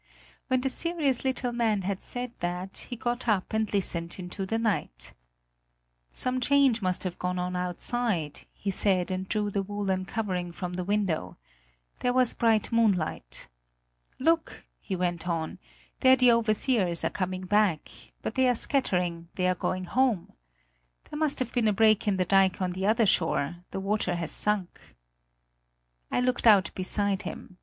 When the serious little man had said that, he got up and listened into the night. "Some change must have gone on outside," he said, and drew the woolen covering from the window. There was bright moonlight. "Look," he went on, "there the overseers are coming back; but they are scattering, they are going home. There must have been a break in the dike on the other shore; the water has sunk." I looked out beside him.